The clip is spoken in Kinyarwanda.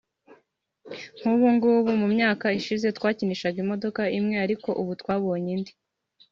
nk’ubu mu myaka ishize twakinishaga imodoka imwe ariko ubu twabonye indi